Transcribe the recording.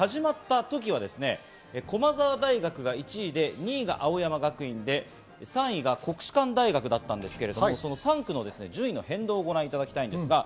３区が始まった時は駒澤大学が１位で２位が青山学院で３位が国士舘大学だったんですけれども、３区の順位の変動をご覧いただきます。